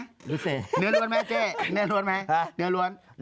เนื้อล้วนมั้ยเจ๊